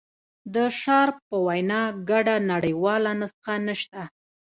د شارپ په وینا ګډه نړیواله نسخه نشته.